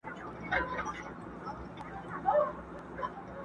د قلا تر جګ دېواله یې راوړی.!